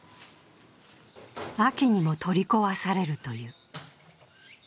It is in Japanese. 秋にも取り壊されるという。